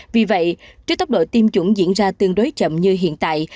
vì vậy trước tốc độ tiêm chủng diễn ra tương đối chậm như hiện tại